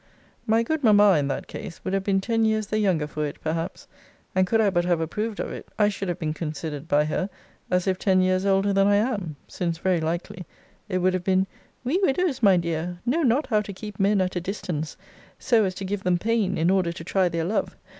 My good mamma, in that case, would have been ten years the younger for it, perhaps: and, could I but have approved of it, I should have been considered by her as if ten years older than I am: since, very likely, it would have been: 'We widows, my dear, know not how to keep men at a distance so as to give them pain, in order to try their love.